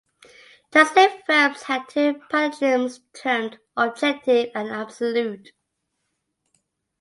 Transitive verbs had two paradigms, termed "objective" and "absolute".